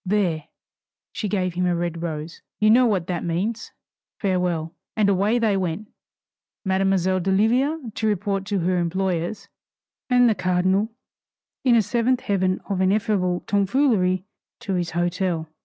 There" she gave him a red rose "You know what that means! Farewell!" And away they went Mademoiselle d'Oliva to report to her employers, and the cardinal, in a seventh heaven of ineffable tomfoolery, to his hotel.